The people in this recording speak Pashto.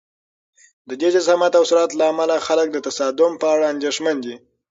د دې جسامت او سرعت له امله خلک د تصادم په اړه اندېښمن دي.